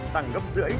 tăng gấp rưỡi